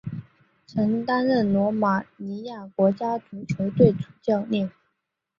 曾担任罗马尼亚国家足球队主教练。